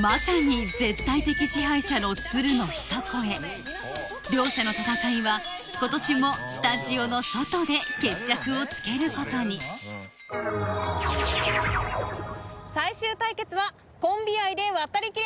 まさに絶対的支配者の鶴のひと声両者の戦いは今年もスタジオの外で決着をつけることに最終対決は「コンビ愛で渡りきれ！